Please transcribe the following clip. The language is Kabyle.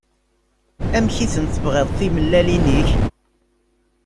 Amek i ten-tebɣiḍ tmellalin-ik?